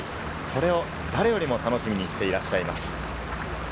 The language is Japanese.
それを誰よりも楽しみにしていらっしゃいます。